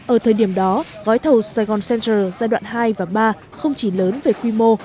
ở thời điểm đó gói thầu saigon center giai đoạn hai và ba không chỉ lớn về quy mô